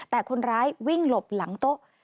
แต่คนร้ายวิ่งหลบหลังโต๊ะ